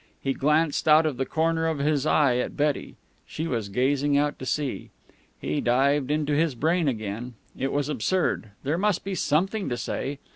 He glanced out of the corner of his eye at Betty. She was gazing out to sea. He dived into his brain again. It was absurd! There must be something to say.